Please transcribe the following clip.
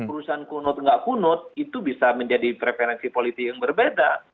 urusan kunut nggak kunut itu bisa menjadi preferensi politik yang berbeda